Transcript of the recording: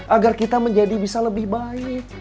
agar kita bisa menjadi lebih baik